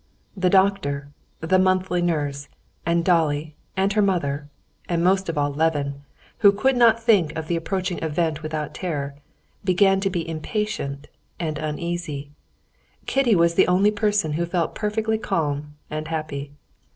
The doctor, the monthly nurse, and Dolly and her mother, and most of all Levin, who could not think of the approaching event without terror, began to be impatient and uneasy. Kitty was the only person who felt perfectly calm and happy.